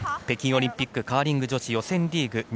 北京オリンピックカーリング女子予選リーグ